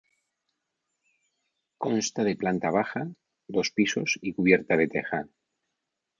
Consta de planta baja, dos pisos y cubierta de teja.